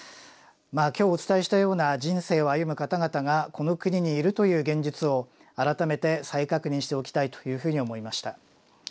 今日お伝えしたような人生を歩む方々がこの国にいるという現実を改めて再確認しておきたいというふうに思いました。